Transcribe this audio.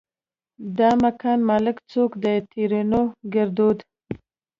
دا مکان مالک چوک ده؛ ترينو ګړدود